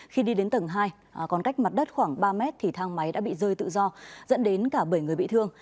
khi đi đến tầng hai còn cách mặt đất khoảng ba mét thì thang máy đã bị rơi tự do dẫn đến cả bảy người bị thương